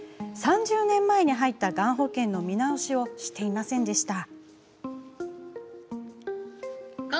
３０年前に入った、がん保険の見直しをしていませんでした。